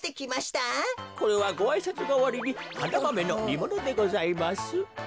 これはごあいさつがわりにハナマメのにものでございます。